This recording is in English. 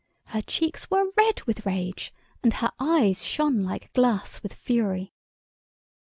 Her cheeks were red with rage and her eyes shone like glass with fury.